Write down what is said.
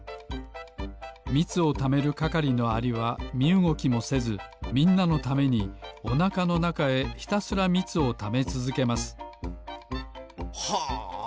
みつをためるかかりのアリはみうごきもせずみんなのためにおなかのなかへひたすらみつをためつづけますはあ！